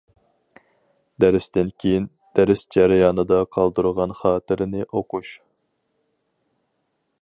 دەرستىن كېيىن، دەرس جەريانىدا قالدۇرغان خاتىرىنى ئوقۇش.